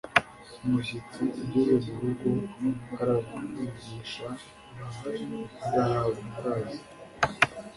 Umushyitsi ugeze mu rugo aravunyisha agahambwa ikaze.